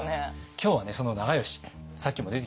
今日はねその長慶さっきも出てきました。